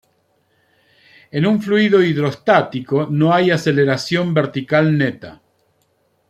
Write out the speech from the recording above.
En un fluido hidrostático no hay aceleración vertical neta.